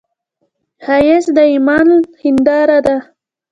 ښایست د ایمان هنداره ده